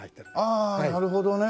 ああなるほどね。